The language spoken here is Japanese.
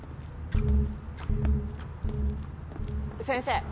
先生！